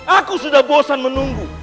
aku sudah bosan menunggu